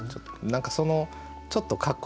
何かそのちょっとかっこつけてる感